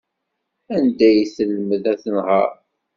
Anda ay telmed ad tenheṛ?